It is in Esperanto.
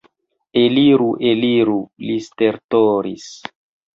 Eliru, eliru, li stertoris.